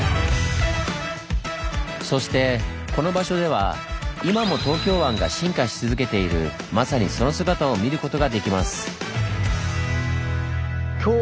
そしてこの場所では今も東京湾が進化し続けているまさにその姿を見ることができます。